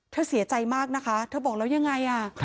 เสียใจมากนะคะเธอบอกแล้วยังไง